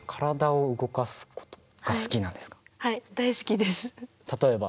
はい大好きです。